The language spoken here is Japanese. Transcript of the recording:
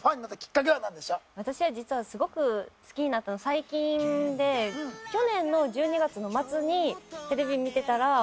私は実はすごく好きになったの最近で去年の１２月の末にテレビ見てたら出てらっしゃった。